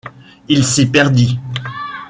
Il s’y perdit.